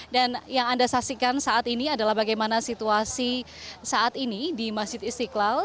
dan yang anda saksikan saat ini adalah bagaimana situasi saat ini di masjid istiqlal